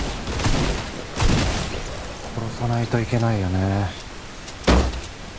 殺さないといけないよね。